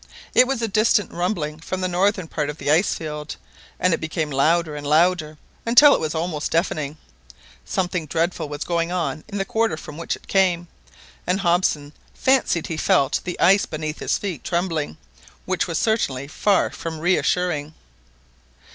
It was a distant rumbling from the northern part of the ice field, and it became louder and louder until it was almost deafening. Something dreadful was going on in the quarter from which it came, and Hobson fancied he felt the ice beneath his feet trembling, which was certainly far from reassuring.